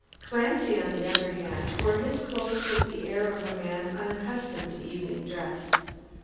Clancy, on the other hand, wore his clothes with the air of a man unaccustomed to evening dress.